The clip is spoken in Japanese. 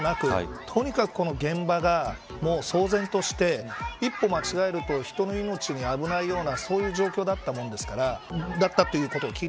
ひぼう中傷もなくとにかく現場が騒然として一歩間違えると人の命が危ないようなそういう状況だったものですから。